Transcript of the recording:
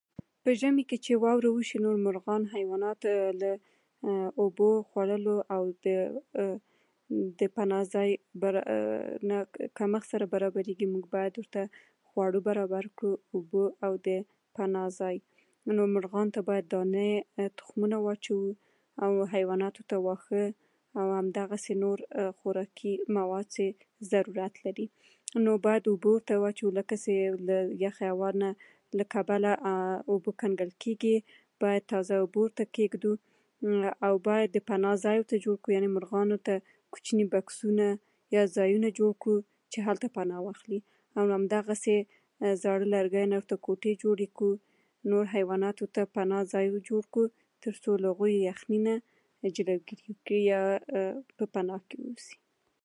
په ژمي کې چې واوره وشي، مرغان، حیوانات له اوبو خوړولو او د پناه ځای برابر له کمښت سره برابرېږي. موږ ورته باید خوړه برابر کړو، اوبه او د پناه ځای. نو مرغانو ته باید دانې، تخمونه واچوو، او حیواناتو ته واښه او همدغسې نور خوراکي مواد چې ضرورت دي. نو باید اوبه ورته واچوو، ځکه چې له یخې هوا له کبله اوبه کنګل کېږي. باید تازه اوبه ورته کېږدو، او باید د پناه ځای ورته جوړ کړو. د مرغانو ته کوچني بکسونه یا ځایونه جوړ کړو چې هلته پناه واخلي. همدغسې زاړه لرګیو نه ورته کوټې جوړ کړو، نورو حیواناتو ته پناه ځای جوړ کړو، تر څو هغوی له یخني نه جلوګیري وشي، په پناه کې واوسي.